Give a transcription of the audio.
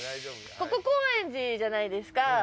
ここ高円寺じゃないですか。